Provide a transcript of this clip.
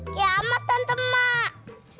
kiamat tantem mak